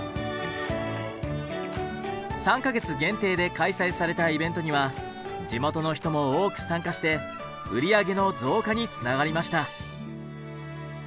３か月限定で開催されたイベントには地元の人も多く参加して売り上げの増加につながりました。